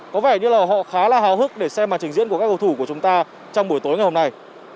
có vẻ như là họ khá là hào hức để xem màn trình diễn của các cầu thủ của chúng ta trong buổi tối ngày hôm nay